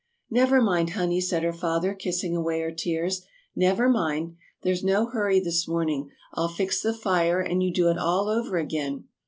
"Never mind, Honey," said her father, kissing away her tears. "Never mind! There's no hurry this morning, I'll fix the fire and you do it all over again."